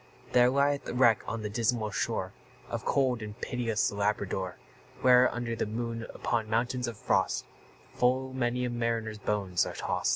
There lieth a wreck on the dismal shore Of cold and pitiless Labrador; Where, under the moon, upon mounts of frost, Full many a mariner's bones are tost.